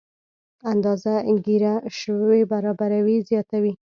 اندازه ګیره شوې برابري زیاتوي.